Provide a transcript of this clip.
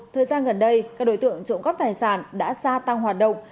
thời gian gần đây các đối tượng trộm cắp tài sản đã gia tăng hoạt động